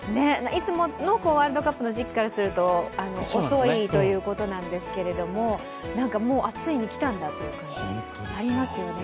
いつものワールドカップの時期からすると遅いということなんですけれどもつい来たんだという感じがありますよね。